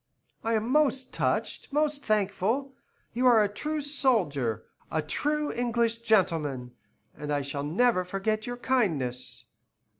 "I am most touched, most thankful. You are a true soldier, a true English gentleman, and I shall never forget your kindness."